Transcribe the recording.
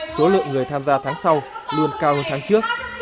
số lượng người tham gia tháng sau luôn cao hơn tháng trước